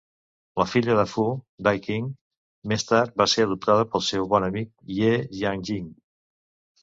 La filla de Fu, Dai Qing, més tard va ser adoptada pel seu bon amic Ye Jianying.